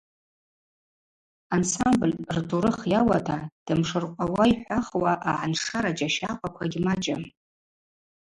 Ансамбль ртурых йауата дымшыркъвауа йхӏвахуа агӏаншара джьащахъваква гьмачӏым.